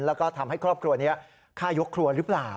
แล้วก็ทำให้ครอบครัวนี้ฆ่ายกครัวหรือเปล่า